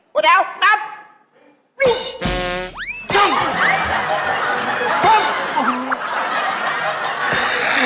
ดูแถวตั๊บปึ้งต้ม